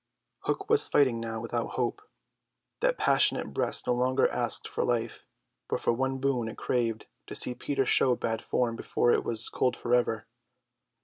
Hook was fighting now without hope. That passionate breast no longer asked for life; but for one boon it craved: to see Peter show bad form before it was cold forever.